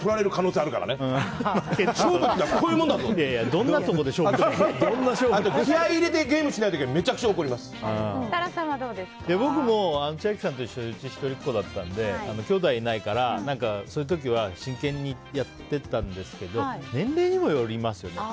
あと、気合を入れて僕も、千秋さんと一緒で一人っ子だったのできょうだいいないからそういう時は真剣にやってたんですけど年齢にもよりますよね。